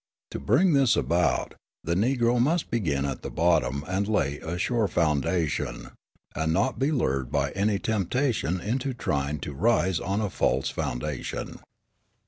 To bring this about, the Negro must begin at the bottom and lay a sure foundation, and not be lured by any temptation into trying to rise on a false foundation.